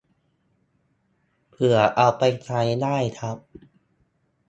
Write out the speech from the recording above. เผื่อเอาไปใช้ได้ครับ